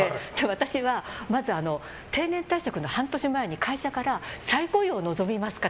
私はまず、定年退職の半年前に会社から再雇用を望みますか？